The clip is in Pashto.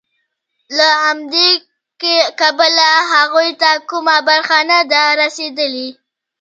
له همدې کبله هغوی ته کومه برخه نه ده رسېدلې